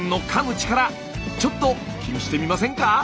力ちょっと気にしてみませんか？